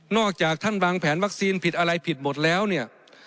จากท่านวางแผนวัคซีนผิดอะไรผิดหมดแล้วเนี่ย